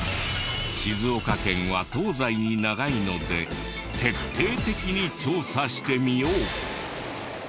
静岡県は東西に長いので徹底的に調査してみよう！